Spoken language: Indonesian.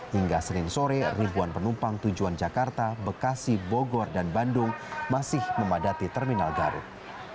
hingga senin sore ribuan penumpang tujuan jakarta bekasi bogor dan bandung masih memadati terminal garut